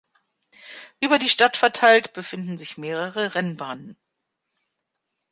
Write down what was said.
Über die Stadt verteilt befinden sich mehrere Rennbahnen.